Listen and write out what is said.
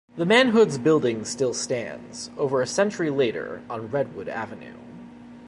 The Mahoods' building still stands, over a century later, on Redwood Avenue.